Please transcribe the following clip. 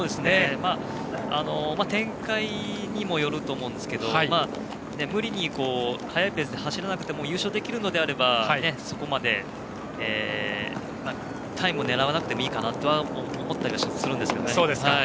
展開にもよると思いますが無理に速いペースで走らなくても優勝できるのであればそこまでタイムを狙わなくてもいいかなとも思ったりはするんですけどね。